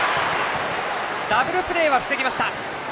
ダブルプレーは防ぎました。